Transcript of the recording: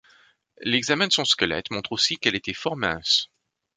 L'examen de son squelette montre aussi qu'elle était fort mince.